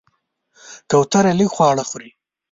کوتره لږ خواړه خوري.